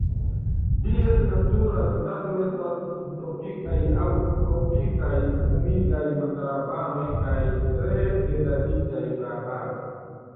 Ties natura habitato estas subtropikaj aŭ tropikaj humidaj montararbaroj kaj tre degraditaj praarbaroj.